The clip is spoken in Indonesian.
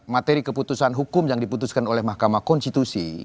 materi keputusan hukum yang diputuskan oleh mahkamah konstitusi